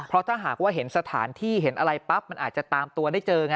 เพราะถ้าหากว่าเห็นสถานที่เห็นอะไรปั๊บมันอาจจะตามตัวได้เจอไง